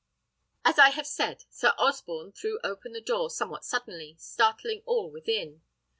As I have said, Sir Osborne threw open the door somewhat suddenly, startling all within.